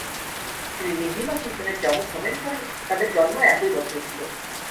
তিনি মিহরিমা সুলতানের যমজ হবেন কারণ তাদের জন্ম একই বছরে ছিল।